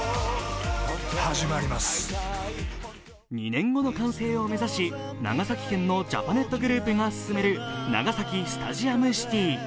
２年後の完成を目指し、長崎県のジャパネットグループが進める長崎スタジアムシティ。